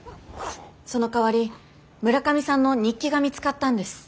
そのかわり村上さんの日記が見つかったんです。